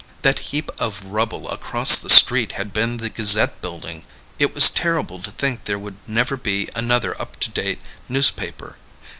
That heap of rubble across the street had been the Gazette Building. It was terrible to think there would never be another up to date newspaper.